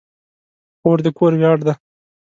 خور د کور ویاړ ده.